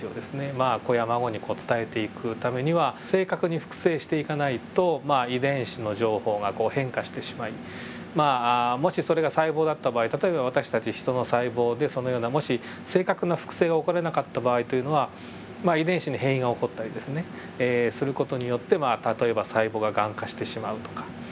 まあ子や孫にこう伝えていくためには正確に複製していかないとまあ遺伝子の情報がこう変化してしまいもしそれが細胞だった場合例えば私たちヒトの細胞でそのようなもし正確な複製が行われなかった場合というのはまあ遺伝子の変異が起こったりですねする事によって例えば細胞がガン化してしまうとか。